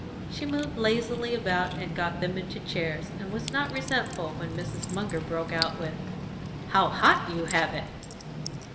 She moved lazily about and got them into chairs, and was not resentful when Mrs. Munger broke out with "How hot you have it!"